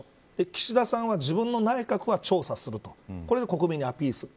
岸田さんは自分の内閣は調査するとこれを国民にアピールする。